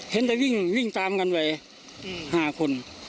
เห็นแต่วิ่งตามกันไป๕คน